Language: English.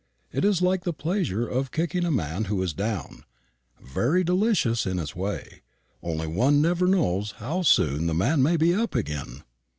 It is like the pleasure of kicking a man who is down very delicious in its way; only one never knows how soon the man may be up again.